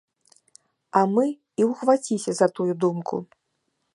А мы і ўхваціся за тую думку.